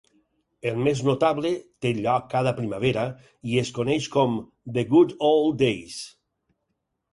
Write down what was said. El més notable té lloc cada primavera i es coneix com "The Good Ole Days".